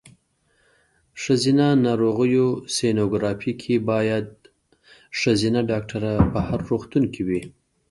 ښځېنه ناروغیو سینوګرافي کې باید ښځېنه ډاکټره په هر روغتون کې وي.